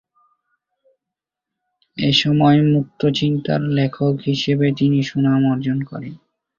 এসময় মুক্তচিন্তার লেখক হিসেবে তিনি সুনাম অর্জন করেন।